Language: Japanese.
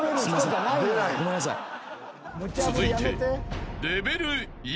［続いて］